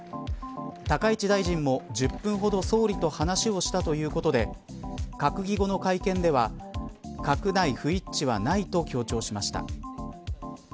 高市大臣も１０分ほど総理と話をしたということで閣議後の会見では閣内不一致はないと強調しました。